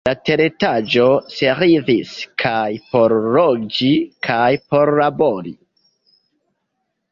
La teretaĝo servis kaj por loĝi kaj por labori.